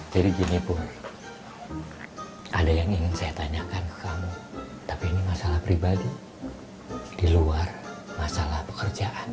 jadi gini pun ada yang ingin saya tanyakan ke kamu tapi ini masalah pribadi di luar masalah pekerjaan